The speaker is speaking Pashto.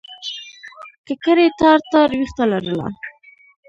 ککرۍ تار تار وېښته لرله.